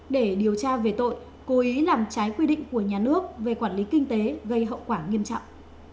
để điều tra về tội cố ý làm trái quy định của nhà nước về quản lý kinh tế gây hậu quả nghiêm trọng